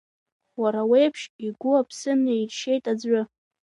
Уара уеиԥш, игәы аԥсы наиршьеит аӡәы.